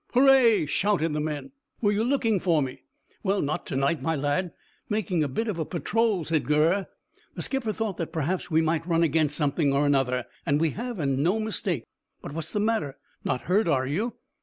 "Hooray!" shouted the men. "Were you looking for me?" "Well, not to night, my lad. Making a bit of a patrol," said Gurr. "The skipper thought that perhaps we might run against something or another, and we have and no mistake. But what's the matter? Not hurt, are you?"